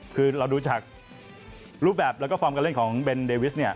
คือเราดูจากรูปแบบแล้วก็ฟอร์มการเล่นของเบนเดวิสเนี่ย